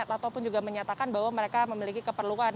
atau pun juga menyatakan bahwa mereka memiliki keperluan